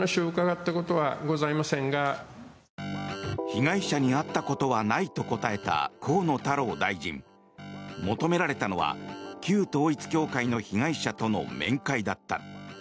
被害者に会ったことはないと答えた河野太郎大臣。求められたのは旧統一教会の被害者との面会だった。